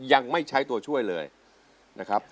ยังไม่ใช้ตัวช่วยเลยนะครับ